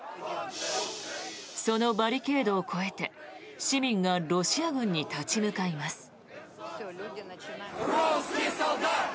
そのバリケードを越えて市民がロシア軍に立ち向かいます。